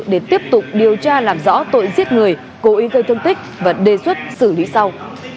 để tiếp tục điều tra làm rõ tội giết người cố ý gây thương tích và đề xuất xử lý sau